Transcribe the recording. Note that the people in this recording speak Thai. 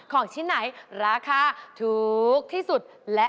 ของชิ้นไหนราคาถูกที่สุดและ